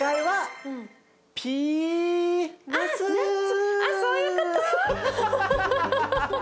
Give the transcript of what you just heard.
はい。